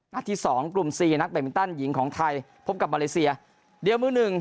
ที่สองกลุ่มสี่นักแบตมินตันหญิงของไทยพบกับมาเลเซียเดียวมือหนึ่ง